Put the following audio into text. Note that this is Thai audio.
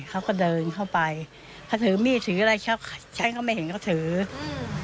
เขาก็เดินเข้าไปเขาถือมีดถืออะไรใช้เขาไม่เห็นเขาถืออืม